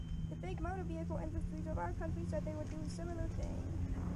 The big motor vehicle industries of our country said they would do a similar thing.